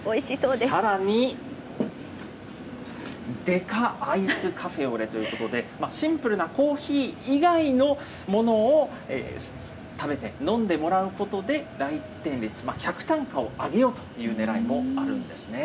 さらに、デカアイスカフェオレということで、シンプルなコーヒー以外のものを食べて、飲んでもらうことで、来店率、客単価を上げようというねらいもあるんですね。